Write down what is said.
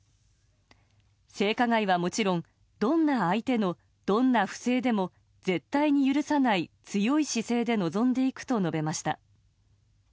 性加害はもちろんどんな相手のどんな不正でも絶対に許さない強い姿勢で臨んでいくと述べました。